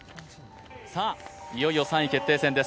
いよいよ３位決定戦です。